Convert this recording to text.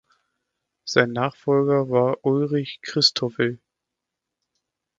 Sein Nachfolger war Ulrich Christoffel.